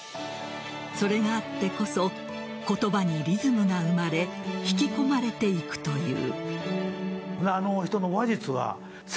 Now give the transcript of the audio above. それがあってこそ言葉にリズムが生まれ引き込まれていくという。